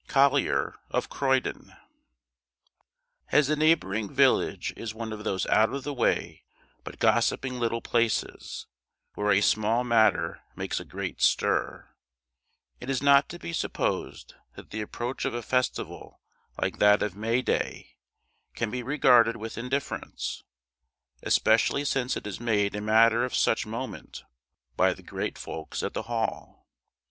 COLLIER OF CROYDON. As the neighbouring village is one of those out of the way, but gossiping little places, where a small matter makes a great stir, it is not to be supposed that the approach of a festival like that of May Day can be regarded with indifference, especially since it is made a matter of such moment by the great folks at the Hall.